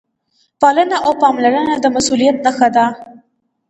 پالنه او پاملرنه د مسؤلیت نښه ده.